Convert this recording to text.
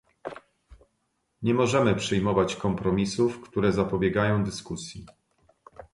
Nie możemy przyjmować kompromisów, które zapobiegają dyskusji